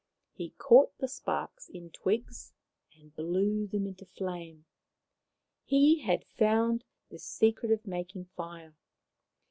He caught the sparks in twigs and blew them into flame. He had found the secret of making fire.